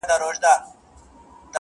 o چي پکي روح نُور سي. چي پکي وژاړي ډېر.